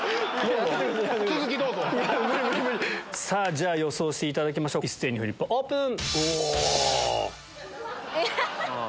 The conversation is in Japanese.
じゃ予想していただきましょう一斉にフリップオープン！